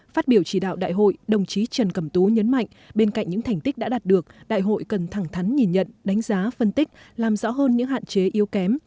phát biểu chỉ đạo đại hội đồng chí trần cẩm tú nhấn mạnh bên cạnh những thành tích đã đạt được đại hội cần thẳng thắn nhìn nhận đánh giá phân tích làm rõ hơn những hạn chế yếu kém